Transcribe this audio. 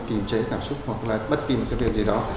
tìm chế cảm xúc hoặc là bất tìm cái việc gì đó